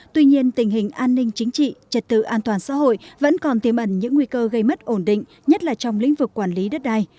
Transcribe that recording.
tuy nhiên tình hình an ninh chính trị trật tự an toàn xã hội vẫn còn tiềm ẩn những nguy cơ gây mất ổn định nhất là trong lĩnh vực quản lý đất đai